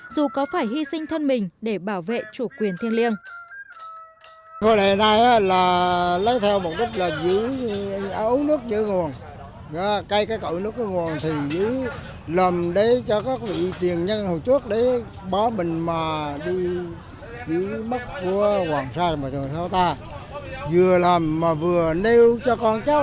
dù có phải hy sinh thân mình để bảo vệ chủ quyền thiên liêng